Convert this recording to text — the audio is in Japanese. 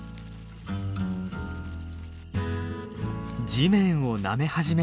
地面をなめ始めました。